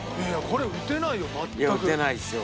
打てないですよ。